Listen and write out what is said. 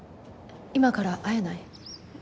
今から会えない？